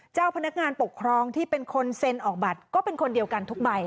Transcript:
เจ้าพนักงานปกครองที่เป็นคนเซ็นออกบัตรก็เป็นคนเดียวกันทุกใบ